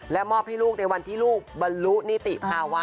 มอบให้ลูกในวันที่ลูกบรรลุนิติภาวะ